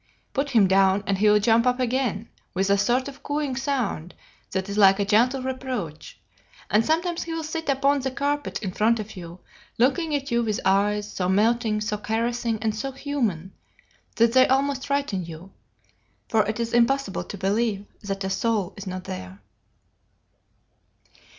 Put him down and he will jump up again, with a sort of cooing sound that is like a gentle reproach; and sometimes he will sit upon the carpet in front of you, looking at you with eyes so melting, so caressing, and so human, that they almost frighten you, for it is impossible to believe that a soul is not there.